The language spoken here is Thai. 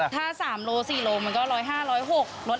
ถ้า๓โลกรัม๔โลกรัมมันก็๑๐๕รบ๑๐๖บาท